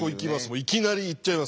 いきなりいっちゃいます。